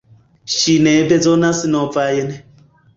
Ŝi ne bezonas novajn!